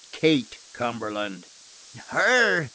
"Kate Cumberland." "Her!